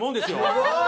すごい！